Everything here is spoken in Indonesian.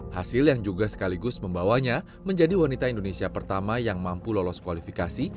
hasil yang juga sekaligus membawanya menjadi wanita indonesia pertama yang mampu lolos kualifikasi